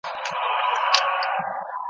چي شاگرد وي چي مکتب چي معلمان وي `